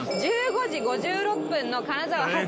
１５時５６分の金沢発